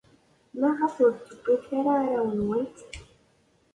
Maɣef ur d-tewwimt ara arraw-nwent?